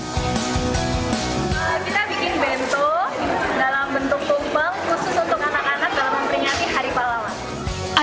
kita bikin bento dalam bentuk tumpeng khusus untuk anak anak dalam memperingati hari pahlawan